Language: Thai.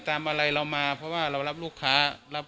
ตามอะไรเรามาเพราะว่าเรารับลูกค้ารับ